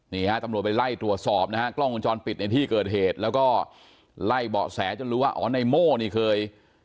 นี่ฮะตำรวจไปไล่ตรวจสอบนะฮะกล้องวงจรปิดในที่เกิดเหตุแล้วก็ไล่เบาะแสจนรู้ว่าอ๋อในโม่นี่เคย